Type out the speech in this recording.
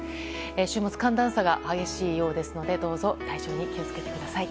週末寒暖差が激しいようですのでどうぞ体調に気を付けてください。